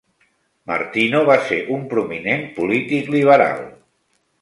Martino va ser un prominent polític liberal.